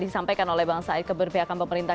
disampaikan oleh bang said keberpihakan pemerintah